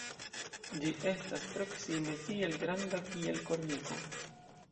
Ĝi estas proksime tiel granda kiel korniko.